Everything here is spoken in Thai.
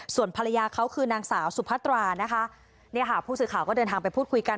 ส่วนภรรยาเขาคือนางสาวสุภัตราผู้สื่อข่าวก็เดินทางไปพูดคุยกัน